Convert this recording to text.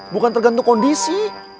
bukan tergantung kondisi